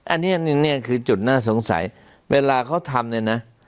อันเดียนนี้แหละคือจุดน่าสงสัยเวลาเขาทำเลยน่ะ